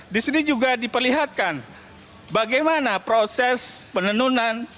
di sini juga diperlihatkan bagaimana proses penenunan